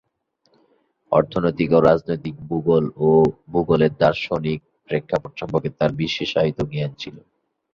অর্থনৈতিক ও রাজনৈতিক ভূগোল ও ভূগোলের দার্শনিক প্রেক্ষাপট সম্পর্কে তাঁর বিশেষায়িত জ্ঞান ছিল।